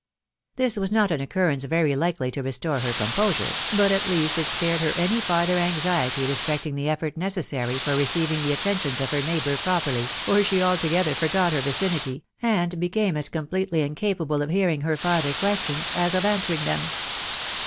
This was not an occurrence very likely to restore her composure, but at least it spared her any farther anxiety respecting the effort necessary for receiving the atten tions of her neighbour properly, for she altogether forgot her vicinity j and became as completely incapable of hearing her farther questions, as of answering them.